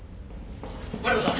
マリコさん